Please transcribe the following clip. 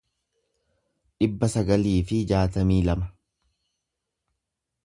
dhibba sagalii fi jaatamii lama